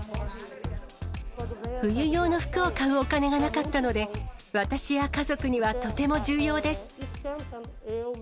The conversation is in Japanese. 冬用の服を買うお金がなかったので、私や家族にはとても重要です。